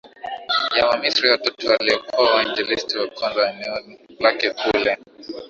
ya Wamisri watatu waliokuwa wainjilisti wa kwanza wa eneo lake Kule